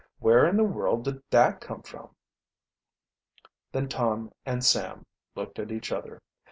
"Where in the world did that come from?" Then Tom and Sam looked at each other.